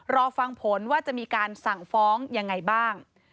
รอฟังผลว่าจะมีการสั่งฟ้องยังไงบ้าง